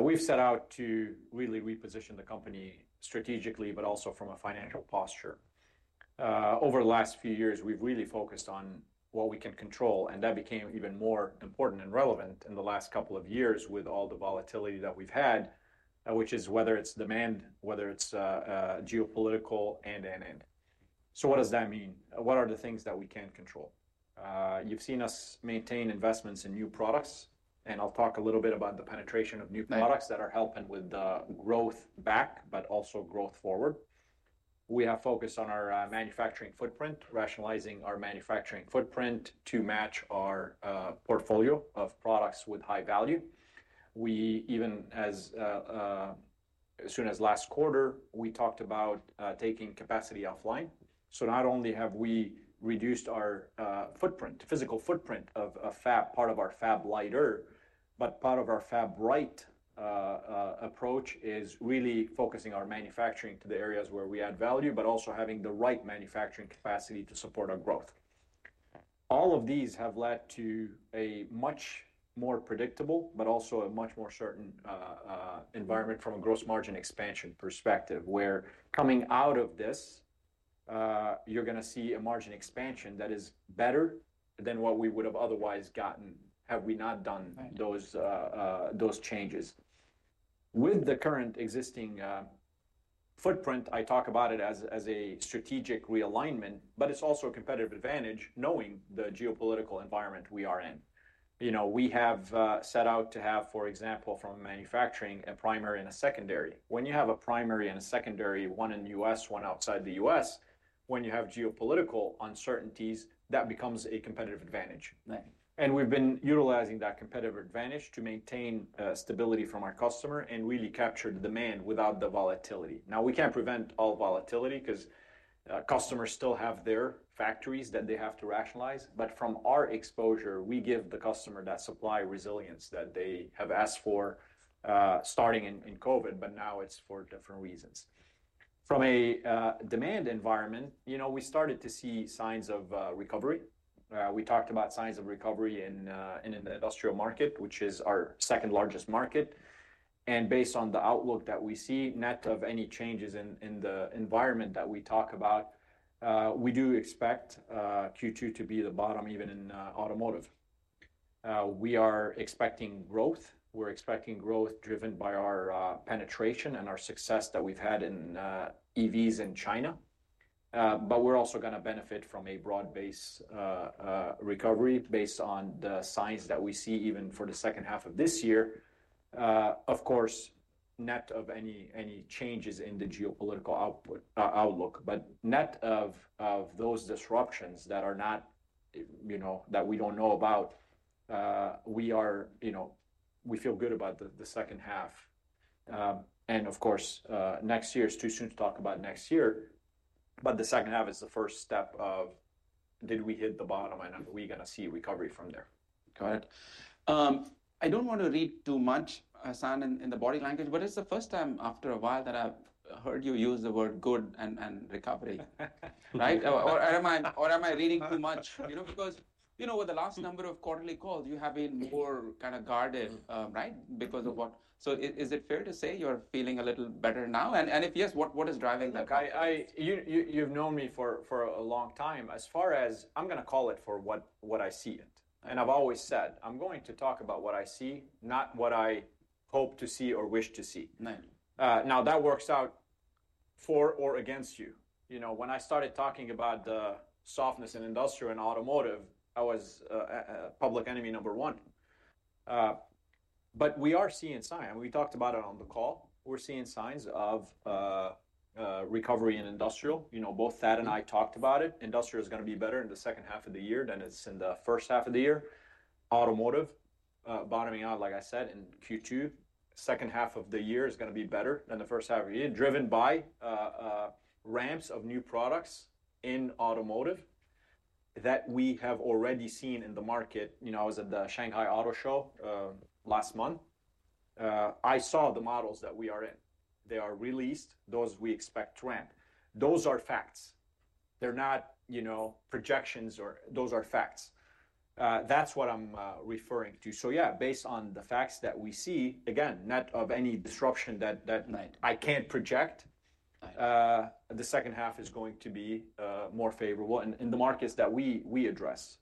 We've set out to really reposition the company strategically, but also from a financial posture. Over the last few years, we've really focused on what we can control, and that became even more important and relevant in the last couple of years with all the volatility that we've had, whether it's demand, whether it's geopolitical, and, and, and. What does that mean? What are the things that we can control? You've seen us maintain investments in new products, and I'll talk a little bit about the penetration of new products that are helping with the growth back, but also growth forward. We have focused on our manufacturing footprint, rationalizing our manufacturing footprint to match our portfolio of products with high value. We even, as soon as last quarter, talked about taking capacity offline. Not only have we reduced our physical footprint of a fab, part of our fab lighter, but part of our fab right approach is really focusing our manufacturing to the areas where we add value, but also having the right manufacturing capacity to support our growth. All of these have led to a much more predictable, but also a much more certain environment from a gross margin expansion perspective, where coming out of this, you're going to see a margin expansion that is better than what we would have otherwise gotten had we not done those changes. With the current existing footprint, I talk about it as a strategic realignment, but it's also a competitive advantage knowing the geopolitical environment we are in. We have set out to have, for example, from manufacturing, a primary and a secondary. When you have a primary and a secondary, one in the U.S., one outside the U.S., when you have geopolitical uncertainties, that becomes a competitive advantage. We have been utilizing that competitive advantage to maintain stability from our customer and really capture the demand without the volatility. Now, we cannot prevent all volatility because customers still have their factories that they have to rationalize, but from our exposure, we give the customer that supply resilience that they have asked for starting in COVID, but now it is for different reasons. From a demand environment, we started to see signs of recovery. We talked about signs of recovery in the industrial market, which is our second largest market. Based on the outlook that we see, net of any changes in the environment that we talk about, we do expect Q2 to be the bottom even in automotive. We are expecting growth. We're expecting growth driven by our penetration and our success that we've had in EVs in China. We are also going to benefit from a broad-based recovery based on the signs that we see even for the second half of this year, of course, net of any changes in the geopolitical outlook. Net of those disruptions that are not that we don't know about, we feel good about the second half. Of course, next year is too soon to talk about next year, but the second half is the first step of did we hit the bottom and are we going to see recovery from there. Got it. I do not want to read too much, Hassane, in the body language, but it is the first time after a while that I have heard you use the word good and recovery. Right? Or am I reading too much? Because with the last number of quarterly calls, you have been more kind of guarded, right? Because of what? Is it fair to say you are feeling a little better now? If yes, what is driving that? Look, you've known me for a long time. As far as I'm going to call it for what I see it. And I've always said, I'm going to talk about what I see, not what I hope to see or wish to see. Now, that works out for or against you. When I started talking about the softness in industrial and automotive, I was public enemy number one. We are seeing signs. We talked about it on the call. We're seeing signs of recovery in industrial. Both Thad and I talked about it. Industrial is going to be better in the second half of the year than it's in the first half of the year. Automotive, bottoming out, like I said, in Q2. Second half of the year is going to be better than the first half of the year, driven by ramps of new products in automotive that we have already seen in the market. I was at the Shanghai Auto Show last month. I saw the models that we are in. They are released. Those we expect to ramp. Those are facts. They're not projections or those are facts. That's what I'm referring to. So yeah, based on the facts that we see, again, net of any disruption that I can't project, the second half is going to be more favorable in the markets that we address.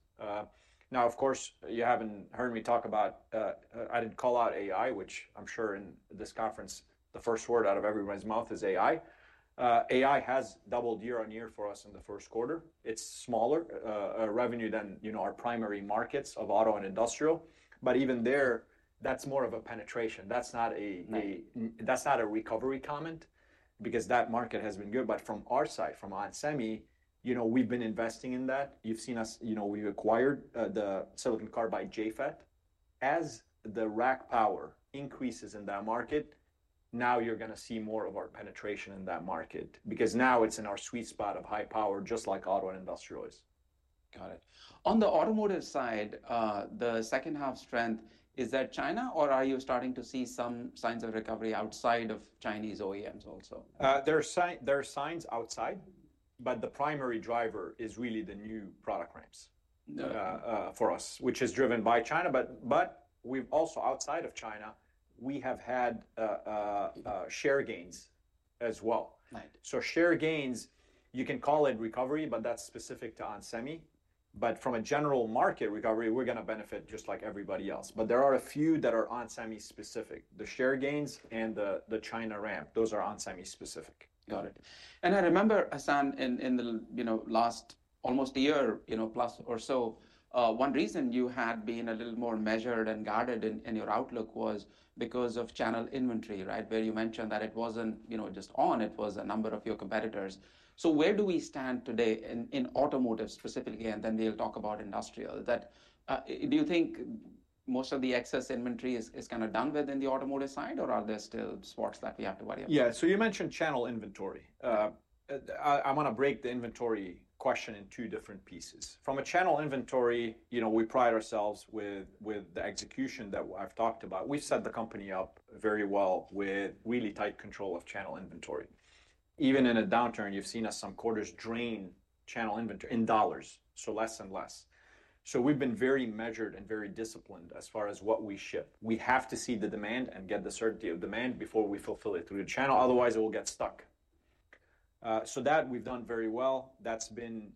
Now, of course, you haven't heard me talk about I didn't call out AI, which I'm sure in this conference, the first word out of everyone's mouth is AI. AI has doubled year on year for us in the first quarter. It's smaller revenue than our primary markets of auto and industrial. Even there, that's more of a penetration. That's not a recovery comment because that market has been good. From our side, from onsemi, we've been investing in that. You've seen us, we acquired the Silicon Carbide JFET. As the rack power increases in that market, now you're going to see more of our penetration in that market because now it's in our sweet spot of high power, just like auto and industrial is. Got it. On the automotive side, the second half strength, is that China or are you starting to see some signs of recovery outside of Chinese OEMs also? There are signs outside, but the primary driver is really the new product ramps for us, which is driven by China. But also outside of China, we have had share gains as well. So share gains, you can call it recovery, but that's specific to onsemi. But from a general market recovery, we're going to benefit just like everybody else. But there are a few that are onsemi specific. The share gains and the China ramp, those are onsemi specific. Got it. I remember, Hassane, in the last almost a year plus or so, one reason you had been a little more measured and guarded in your outlook was because of channel inventory, right, where you mentioned that it was not just on, it was a number of your competitors. Where do we stand today in automotive specifically, and then we will talk about industrial. Do you think most of the excess inventory is kind of done with on the automotive side, or are there still spots that we have to worry about? Yeah, so you mentioned channel inventory. I want to break the inventory question in two different pieces. From a channel inventory, we pride ourselves with the execution that I've talked about. We've set the company up very well with really tight control of channel inventory. Even in a downturn, you've seen us some quarters drain channel inventory in dollars, so less and less. We've been very measured and very disciplined as far as what we ship. We have to see the demand and get the certainty of demand before we fulfill it through the channel. Otherwise, it will get stuck. That we've done very well. That's been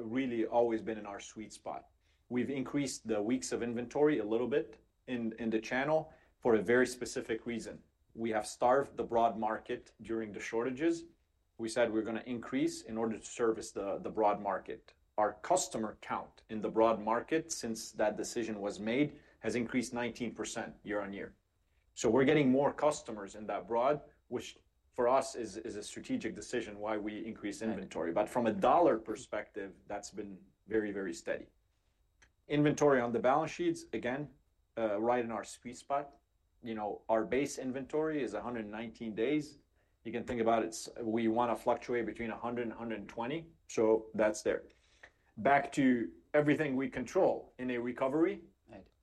really always been in our sweet spot. We've increased the weeks of inventory a little bit in the channel for a very specific reason. We have starved the broad market during the shortages. We said we're going to increase in order to service the broad market. Our customer count in the broad market since that decision was made has increased 19% year-on-year. We're getting more customers in that broad, which for us is a strategic decision why we increase inventory. From a dollar perspective, that's been very, very steady. Inventory on the balance sheets, again, right in our sweet spot. Our base inventory is 119 days. You can think about it, we want to fluctuate between 100 and 120. That's there. Back to everything we control in a recovery,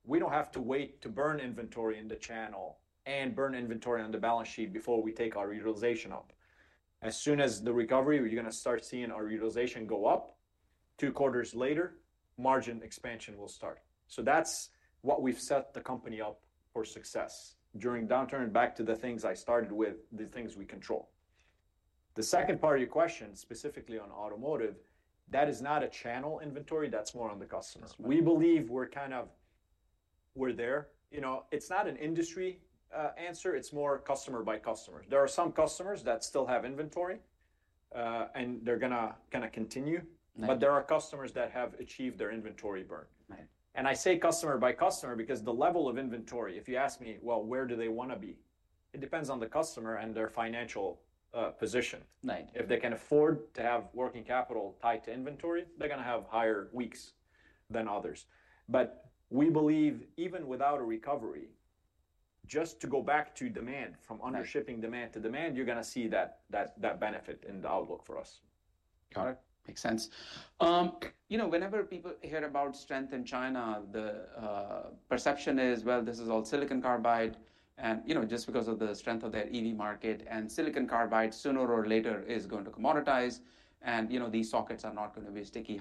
we don't have to wait to burn inventory in the channel and burn inventory on the balance sheet before we take our utilization up. As soon as the recovery, you're going to start seeing our utilization go up. Two quarters later, margin expansion will start. That is what we have set the company up for success during downturn. Back to the things I started with, the things we control. The second part of your question, specifically on automotive, that is not a channel inventory. That is more on the customer. We believe we are kind of, we are there. It is not an industry answer. It is more customer by customer. There are some customers that still have inventory and they are going to kind of continue, but there are customers that have achieved their inventory burn. I say customer by customer because the level of inventory, if you ask me, well, where do they want to be, it depends on the customer and their financial position. If they can afford to have working capital tied to inventory, they are going to have higher weeks than others. We believe even without a recovery, just to go back to demand from undershipping demand to demand, you're going to see that benefit in the outlook for us. Got it. Makes sense. Whenever people hear about strength in China, the perception is, this is all silicon carbide and just because of the strength of their EV market and silicon carbide sooner or later is going to commoditize and these sockets are not going to be sticky.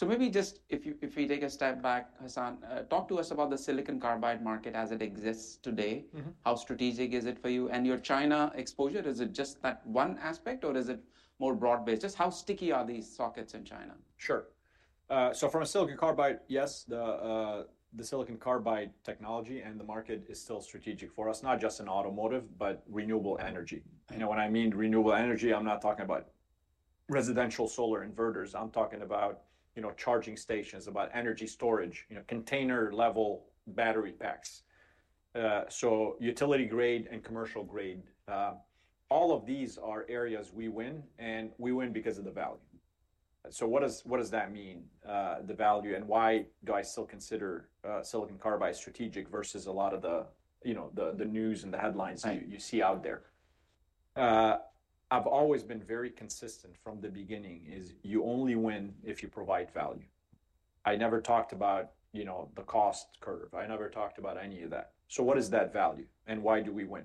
Maybe just if we take a step back, Hassane, talk to us about the silicon carbide market as it exists today. How strategic is it for you? Your China exposure, is it just that one aspect or is it more broad based? Just how sticky are these sockets in China? Sure. From a silicon carbide, yes, the silicon carbide technology and the market is still strategic for us, not just in automotive, but renewable energy. When I mean renewable energy, I am not talking about residential solar inverters. I am talking about charging stations, about energy storage, container level battery packs. Utility grade and commercial grade, all of these are areas we win and we win because of the value. What does that mean, the value, and why do I still consider silicon carbide strategic versus a lot of the news and the headlines you see out there? I have always been very consistent from the beginning. You only win if you provide value. I never talked about the cost curve. I never talked about any of that. What is that value and why do we win?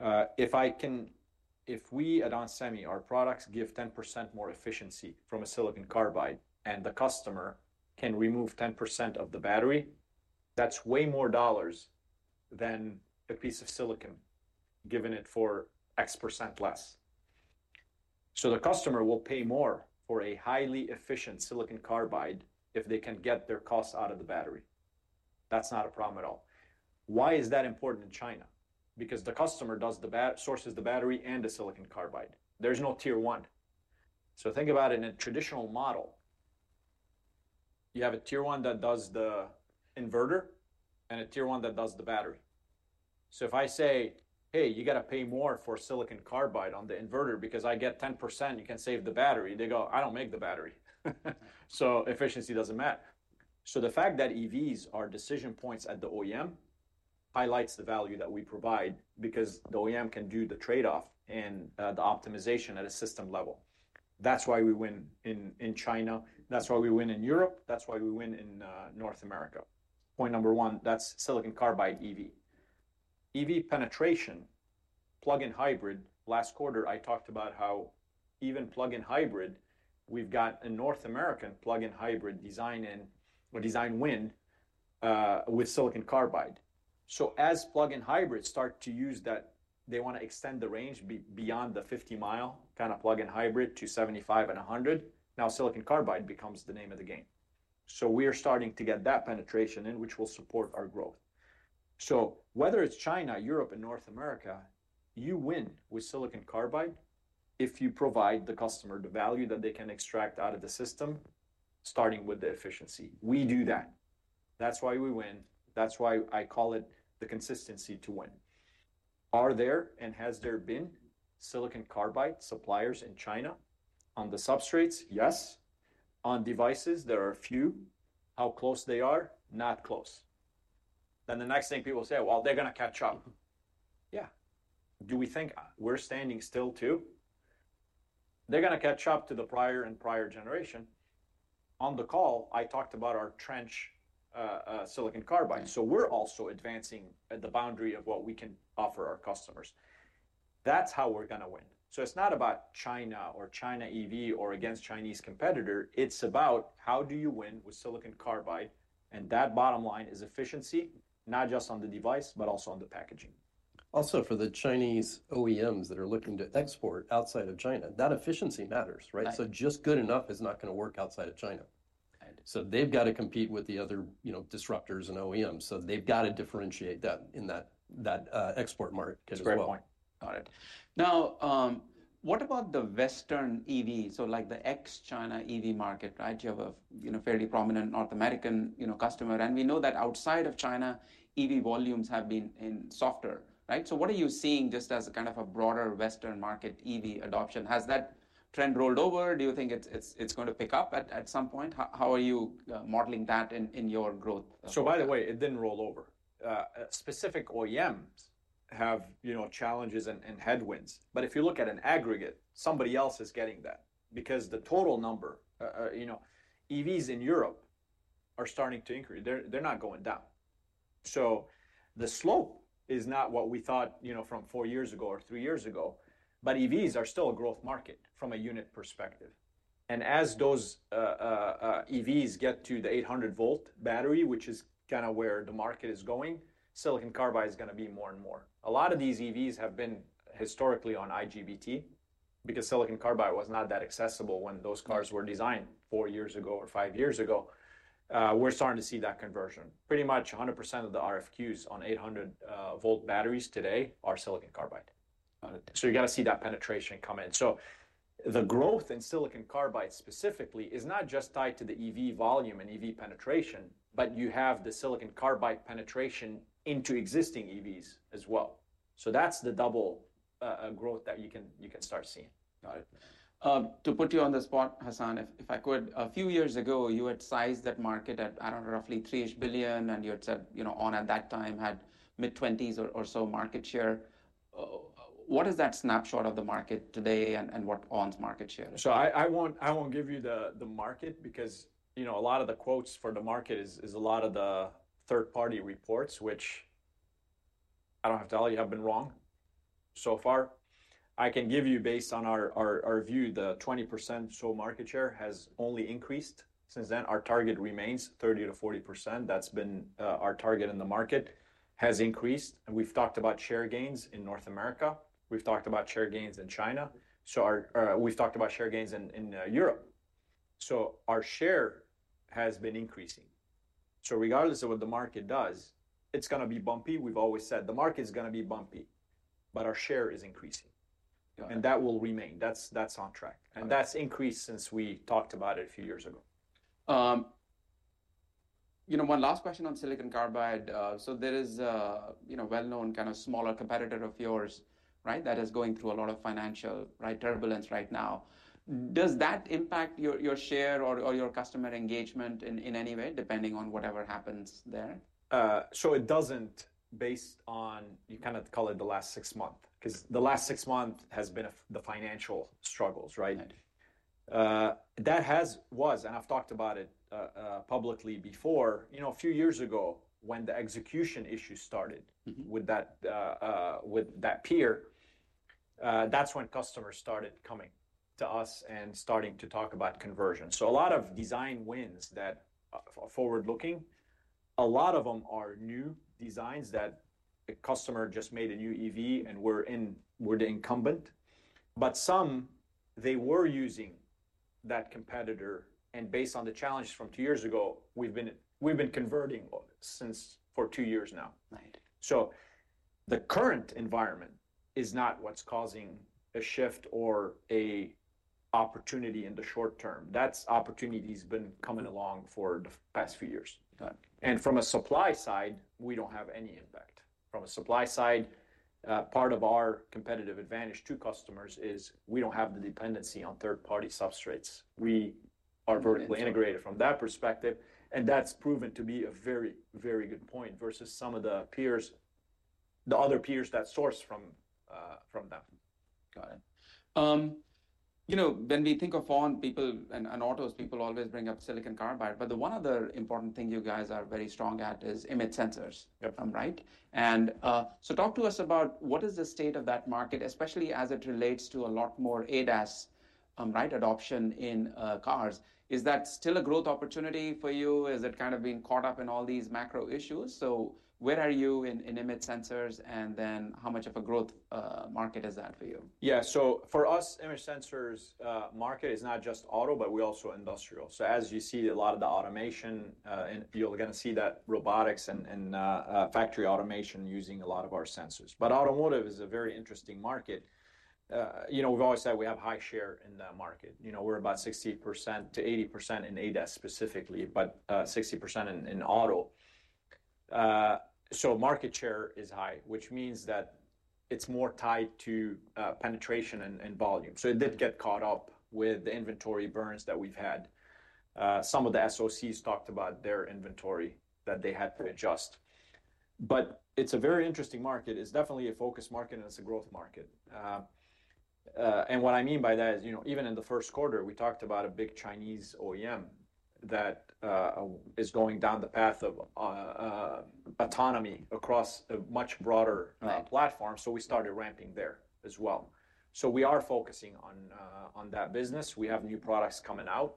If we at onsemi, our products give 10% more efficiency from a silicon carbide and the customer can remove 10% of the battery, that's way more dollars than a piece of silicon given it for X% less. So the customer will pay more for a highly efficient silicon carbide if they can get their cost out of the battery. That's not a problem at all. Why is that important in China? Because the customer sources the battery and the silicon carbide. There's no tier one. Think about it in a traditional model, you have a tier one that does the inverter and a tier one that does the battery. If I say, hey, you got to pay more for silicon carbide on the inverter because I get 10%, you can save the battery, they go, I don't make the battery. Efficiency doesn't matter. The fact that EVs are decision points at the OEM highlights the value that we provide because the OEM can do the trade-off and the optimization at a system level. That is why we win in China. That is why we win in Europe. That is why we win in North America. Point number one, that is silicon carbide EV. EV penetration, plug-in hybrid, last quarter, I talked about how even plug-in hybrid, we have got a North American plug-in hybrid design and design win with silicon carbide. As plug-in hybrids start to use that, they want to extend the range beyond the 50 mi kind of plug-in hybrid to 75 and 100. Now silicon carbide becomes the name of the game. We are starting to get that penetration in, which will support our growth. Whether it is China, Europe, and North America, you win with silicon carbide if you provide the customer the value that they can extract out of the system, starting with the efficiency. We do that. That is why we win. That is why I call it the consistency to win. Are there and has there been silicon carbide suppliers in China? On the substrates, yes. On devices, there are a few. How close are they? Not close. The next thing people say is, well, they are going to catch up. Yeah. Do we think we are standing still too? They are going to catch up to the prior and prior generation. On the call, I talked about our trench silicon carbide. We are also advancing at the boundary of what we can offer our customers. That is how we are going to win. It is not about China or China EV or against Chinese competitor. It's about how do you win with silicon carbide? That bottom line is efficiency, not just on the device, but also on the packaging. Also for the Chinese OEMs that are looking to export outside of China, that efficiency matters, right? Just good enough is not going to work outside of China. They have to compete with the other disruptors and OEMs. They have to differentiate that in that export market as well. Great point. Got it. Now, what about the Western EV? Like the ex-China EV market, right? You have a fairly prominent North American customer. We know that outside of China, EV volumes have been softer, right? What are you seeing just as a kind of a broader Western market EV adoption? Has that trend rolled over? Do you think it's going to pick up at some point? How are you modeling that in your growth? By the way, it didn't roll over. Specific OEMs have challenges and headwinds. If you look at an aggregate, somebody else is getting that because the total number, EVs in Europe are starting to increase. They're not going down. The slope is not what we thought from four years ago or three years ago, but EVs are still a growth market from a unit perspective. As those EVs get to the 800-volt battery, which is kind of where the market is going, silicon carbide is going to be more and more. A lot of these EVs have been historically on IGBT because silicon carbide was not that accessible when those cars were designed four years ago or five years ago. We're starting to see that conversion. Pretty much 100% of the RFQs on 800-volt batteries today are silicon carbide. You got to see that penetration come in. The growth in silicon carbide specifically is not just tied to the EV volume and EV penetration, but you have the silicon carbide penetration into existing EVs as well. That's the double growth that you can start seeing. Got it. To put you on the spot, Hassane, if I could, a few years ago, you had sized that market at roughly three-ish billion and you had said ON at that time had mid-20s or so market share. What is that snapshot of the market today and what ON's market share? I won't give you the market because a lot of the quotes for the market is a lot of the third-party reports, which I don't have to tell you have been wrong so far. I can give you based on our view, the 20% sole market share has only increased since then. Our target remains 30%-40%. That's been our target in the market has increased. We've talked about share gains in North America. We've talked about share gains in China. We've talked about share gains in Europe. Our share has been increasing. Regardless of what the market does, it's going to be bumpy. We've always said the market's going to be bumpy, but our share is increasing and that will remain. That's on track. That's increased since we talked about it a few years ago. One last question on silicon carbide. There is a well-known kind of smaller competitor of yours, right, that is going through a lot of financial turbulence right now. Does that impact your share or your customer engagement in any way depending on whatever happens there? It does not, based on, you kind of call it the last six months, because the last six months have been the financial struggles, right? That has, was, and I have talked about it publicly before. A few years ago, when the execution issue started with that peer, that is when customers started coming to us and starting to talk about conversion. A lot of design wins that are forward-looking. A lot of them are new designs that a customer just made a new EV and we are the incumbent. Some, they were using that competitor. Based on the challenges from two years ago, we have been converting since, for two years now. The current environment is not what is causing a shift or an opportunity in the short term. That opportunity has been coming along for the past few years. From a supply side, we do not have any impact. From a supply side, part of our competitive advantage to customers is we do not have the dependency on third-party substrates. We are vertically integrated from that perspective. That has proven to be a very, very good point versus some of the peers, the other peers that source from them. Got it. When we think of on, people and autos, people always bring up silicon carbide. The one other important thing you guys are very strong at is emit sensors, right? Talk to us about what is the state of that market, especially as it relates to a lot more ADAS adoption in cars. Is that still a growth opportunity for you? Is it kind of being caught up in all these macro issues? Where are you in emit sensors and then how much of a growth market is that for you? Yeah. For us, emit sensors market is not just auto, but we also industrial. As you see a lot of the automation, you're going to see that robotics and factory automation using a lot of our sensors. Automotive is a very interesting market. We've always said we have high share in the market. We're about 60%-80% in ADAS specifically, but 60% in auto. Market share is high, which means that it's more tied to penetration and volume. It did get caught up with the inventory burns that we've had. Some of the SOCs talked about their inventory that they had to adjust. It is a very interesting market. It is definitely a focus market and it is a growth market. What I mean by that is even in the first quarter, we talked about a big Chinese OEM that is going down the path of autonomy across a much broader platform. We started ramping there as well. We are focusing on that business. We have new products coming out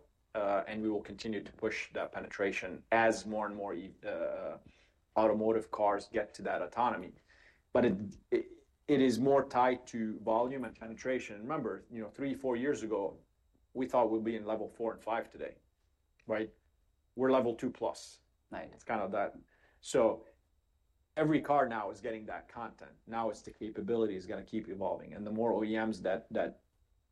and we will continue to push that penetration as more and more automotive cars get to that autonomy. It is more tied to volume and penetration. Remember, three, four years ago, we thought we would be in level four and five today, right? We are level two plus. It is kind of that. Every car now is getting that content. Now the capability is going to keep evolving. The more OEMs that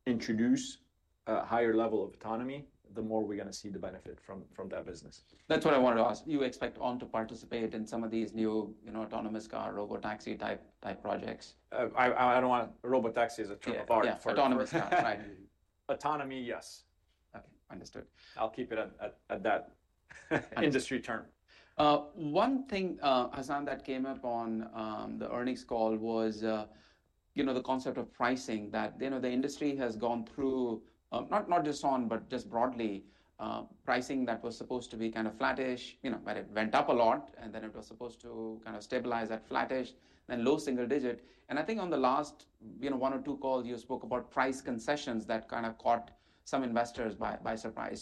introduce a higher level of autonomy, the more we are going to see the benefit from that business. That's what I wanted to ask. You expect ON to participate in some of these new autonomous car, robotaxi type projects? I don't want to robotaxi is a term apart. Yeah, autonomous car, right? Autonomy, yes. Okay, understood. I'll keep it at that industry term. One thing, Hassane, that came up on the earnings call was the concept of pricing that the industry has gone through, not just ON, but just broadly, pricing that was supposed to be kind of flattish, but it went up a lot and then it was supposed to kind of stabilize at flattish, then low single digit. I think on the last one or two calls, you spoke about price concessions that kind of caught some investors by surprise.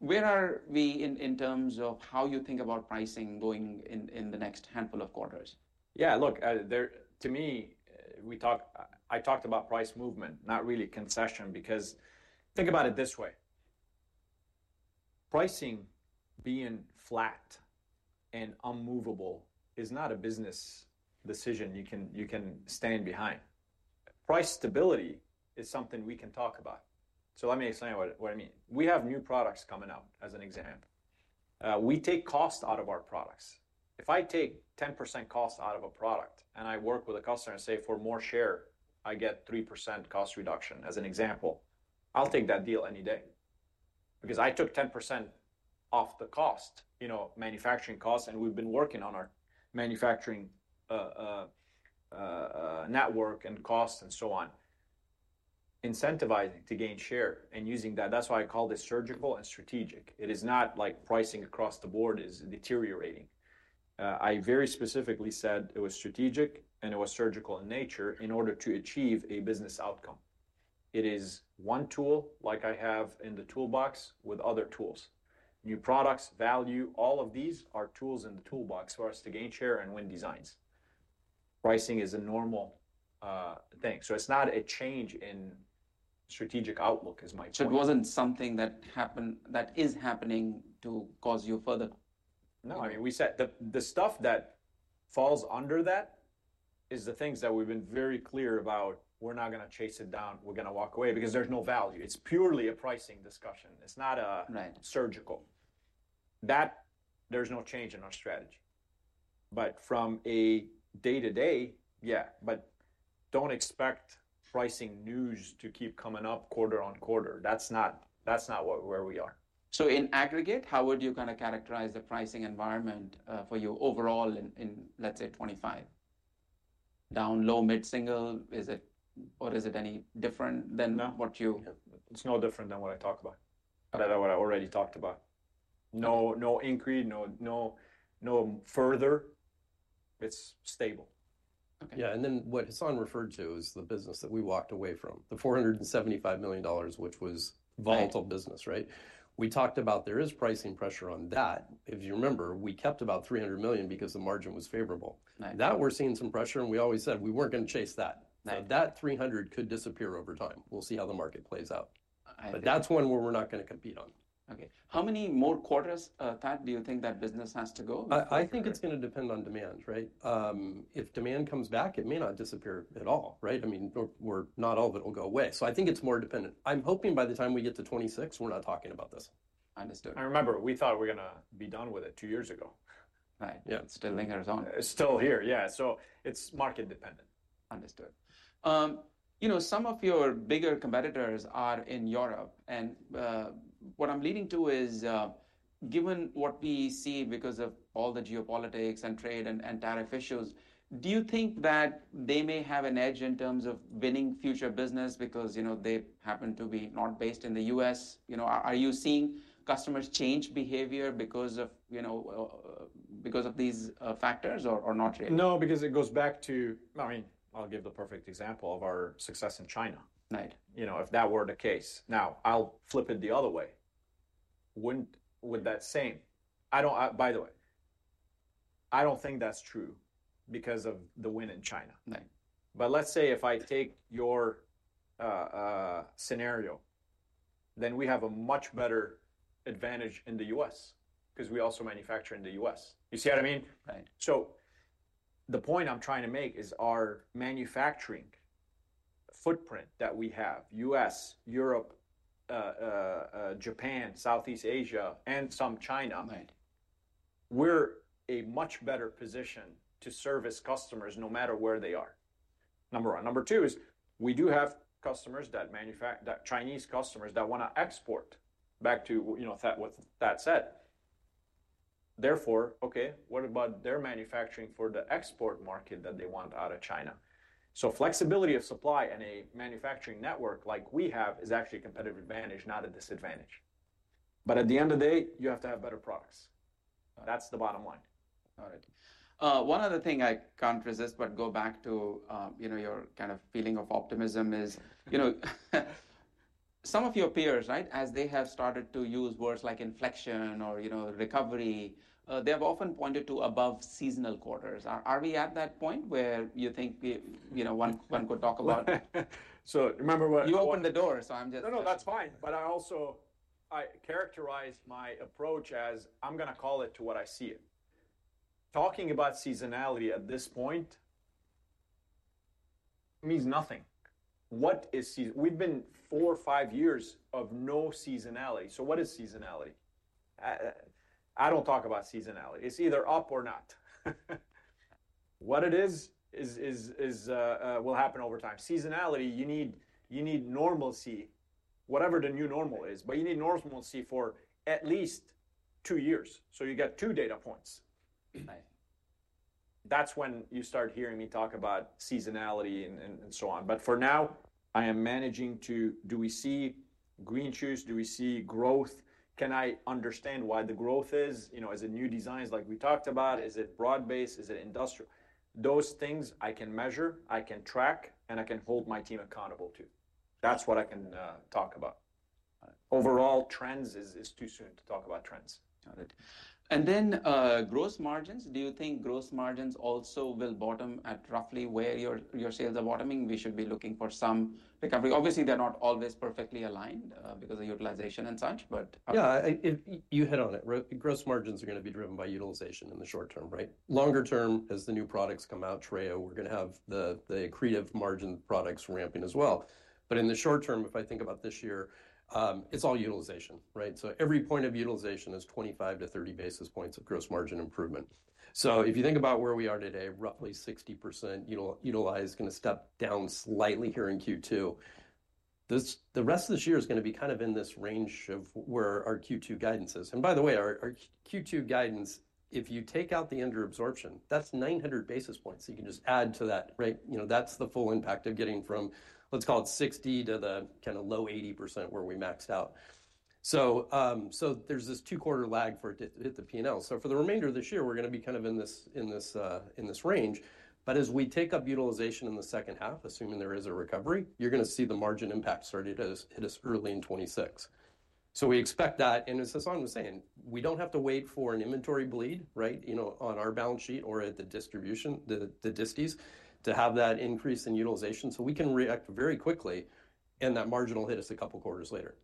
Where are we in terms of how you think about pricing going in the next handful of quarters? Yeah, look, to me, I talked about price movement, not really concession because think about it this way. Pricing being flat and unmovable is not a business decision you can stand behind. Price stability is something we can talk about. Let me explain what I mean. We have new products coming out as an example. We take cost out of our products. If I take 10% cost out of a product and I work with a customer and say for more share, I get 3% cost reduction as an example, I'll take that deal any day because I took 10% off the cost, manufacturing costs, and we've been working on our manufacturing network and costs and so on, incentivizing to gain share and using that. That is why I call this surgical and strategic. It is not like pricing across the board is deteriorating. I very specifically said it was strategic and it was surgical in nature in order to achieve a business outcome. It is one tool like I have in the toolbox with other tools. New products, value, all of these are tools in the toolbox for us to gain share and win designs. Pricing is a normal thing. It is not a change in strategic outlook is my point. It wasn't something that is happening to cause you further? No, I mean, the stuff that falls under that is the things that we've been very clear about, we're not going to chase it down, we're going to walk away because there's no value. It's purely a pricing discussion. It's not surgical. There's no change in our strategy. From a day-to-day, yeah, but don't expect pricing news to keep coming up quarter on quarter. That's not where we are. In aggregate, how would you kind of characterize the pricing environment for you overall in, let's say, 2025? Down, low, mid-single, or is it any different than what you? It's no different than what I talk about, what I already talked about. No increase, no further. It's stable. Yeah. What Hassane referred to is the business that we walked away from, the $475 million, which was volatile business, right? We talked about there is pricing pressure on that. If you remember, we kept about $300 million because the margin was favorable. That we are seeing some pressure and we always said we were not going to chase that. Now that $300 million could disappear over time. We will see how the market plays out. That is one where we are not going to compete on. Okay. How many more quarters do you think that business has to go? I think it's going to depend on demand, right? If demand comes back, it may not disappear at all, right? I mean, not all of it will go away. I think it's more dependent. I'm hoping by the time we get to 2026, we're not talking about this. Understood. I remember we thought we were going to be done with it two years ago. Right. Still lingers on. Still here, yeah. It's market dependent. Understood. Some of your bigger competitors are in Europe. What I'm leading to is given what we see because of all the geopolitics and trade and tariff issues, do you think that they may have an edge in terms of winning future business because they happen to be not based in the U.S.? Are you seeing customers change behavior because of these factors or not really? No, because it goes back to, I mean, I'll give the perfect example of our success in China. If that were the case, now I'll flip it the other way. Would that same? By the way, I don't think that's true because of the win in China. If I take your scenario, then we have a much better advantage in the U.S. because we also manufacture in the U.S. You see what I mean? The point I'm trying to make is our manufacturing footprint that we have, U.S., Europe, Japan, Southeast Asia, and some China, we're in a much better position to service customers no matter where they are. Number one. Number two is we do have customers, that Chinese customers that want to export back to what's that said. Therefore, what about their manufacturing for the export market that they want out of China? Flexibility of supply and a manufacturing network like we have is actually a competitive advantage, not a disadvantage. But at the end of the day, you have to have better products. That's the bottom line. All right. One other thing I can't resist but go back to your kind of feeling of optimism is some of your peers, right, as they have started to use words like inflection or recovery, they have often pointed to above seasonal quarters. Are we at that point where you think one could talk about? Remember what? You opened the door, so I'm just. No, no, that's fine. I also characterize my approach as I'm going to call it to what I see it. Talking about seasonality at this point means nothing. What is seasonality? We have been four or five years of no seasonality. What is seasonality? I do not talk about seasonality. It is either up or not. What it is will happen over time. Seasonality, you need normalcy, whatever the new normal is, but you need normalcy for at least two years. You get two data points. That is when you start hearing me talk about seasonality and so on. For now, I am managing to do we see green shoots? Do we see growth? Can I understand why the growth is? Is it new designs like we talked about? Is it broad-based? Is it industrial? Those things I can measure, I can track, and I can hold my team accountable to. That's what I can talk about. Overall trends, it is too soon to talk about trends. Got it. And then gross margins, do you think gross margins also will bottom at roughly where your sales are bottoming? We should be looking for some recovery. Obviously, they're not always perfectly aligned because of utilization and such, but. Yeah, you hit on it. Gross margins are going to be driven by utilization in the short term, right? Longer term, as the new products come out, Treo, we're going to have the accretive margin products ramping as well. In the short term, if I think about this year, it's all utilization, right? Every point of utilization is 25-30 basis points of gross margin improvement. If you think about where we are today, roughly 60% utilized, it is going to step down slightly here in Q2. The rest of this year is going to be kind of in this range of where our Q2 guidance is. By the way, our Q2 guidance, if you take out the under absorption, that's 900 basis points. You can just add to that, right? That's the full impact of getting from, let's call it 60% to the kind of low 80% where we maxed out. There is this two-quarter lag for the P&L. For the remainder of this year, we're going to be kind of in this range. As we take up utilization in the second half, assuming there is a recovery, you're going to see the margin impact start as early in 2026. We expect that. As Hassane was saying, we don't have to wait for an inventory bleed, right, on our balance sheet or at the distis to have that increase in utilization. We can react very quickly and that margin will hit us a couple of quarters later.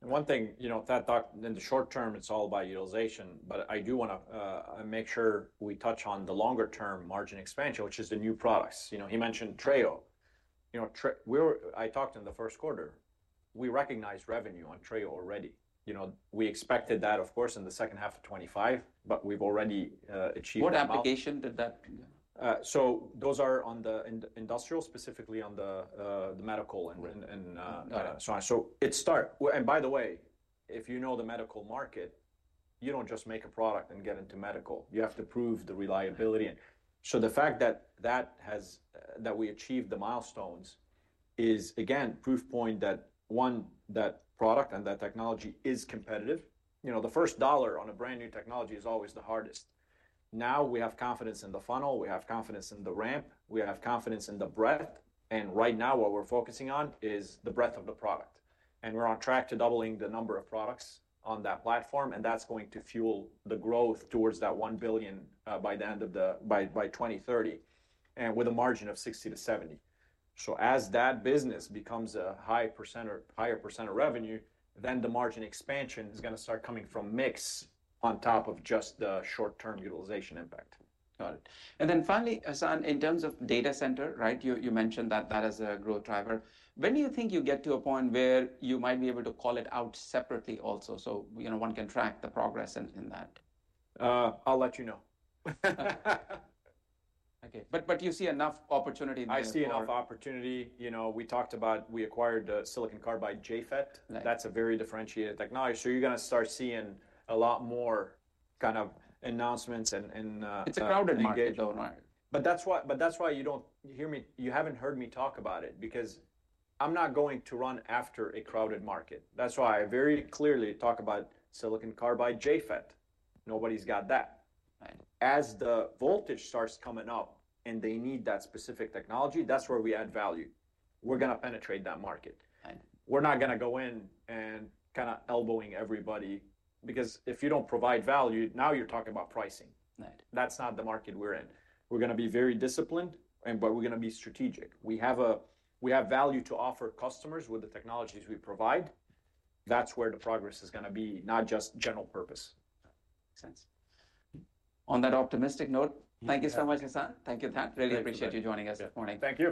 One thing, in the short term, it's all about utilization, but I do want to make sure we touch on the longer-term margin expansion, which is the new products. He mentioned Treo. I talked in the first quarter. We recognized revenue on Treo already. We expected that, of course, in the second half of 2025, but we've already achieved. What application did that? Those are on the industrial, specifically on the medical and so on. By the way, if you know the medical market, you do not just make a product and get into medical. You have to prove the reliability. The fact that we achieved the milestones is, again, proof point that, one, that product and that technology is competitive. The first dollar on a brand new technology is always the hardest. Now we have confidence in the funnel, we have confidence in the ramp, we have confidence in the breadth. Right now, what we are focusing on is the breadth of the product. We are on track to doubling the number of products on that platform. That is going to fuel the growth towards that $1 billion by the end of the year by 2030 and with a margin of 60%-70%. As that business becomes a higher % of revenue, then the margin expansion is going to start coming from mix on top of just the short-term utilization impact. Got it. Finally, Hassane, in terms of data center, right, you mentioned that that is a growth driver. When do you think you get to a point where you might be able to call it out separately also so one can track the progress in that? I'll let you know. Okay. Do you see enough opportunity in the end? I see enough opportunity. We talked about we acquired the Silicon Carbide JFET. That's a very differentiated technology. You're going to start seeing a lot more kind of announcements and. It's a crowded market though, right? That is why you do not hear me. You have not heard me talk about it because I am not going to run after a crowded market. That is why I very clearly talk about Silicon Carbide JFET. Nobody has got that. As the voltage starts coming up and they need that specific technology, that is where we add value. We are going to penetrate that market. We are not going to go in and kind of elbowing everybody because if you do not provide value, now you are talking about pricing. That is not the market we are in. We are going to be very disciplined, but we are going to be strategic. We have value to offer customers with the technologies we provide. That is where the progress is going to be, not just general purpose. Makes sense. On that optimistic note, thank you so much, Hassane. Thank you, Thad. Really appreciate you joining us this morning. Thank you.